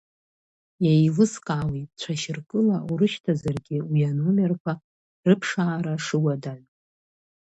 Иеилыскаауеит, цәашьыркыла урышьҭазаргьы уи аномерқәа рыԥшаара шыуадаҩу.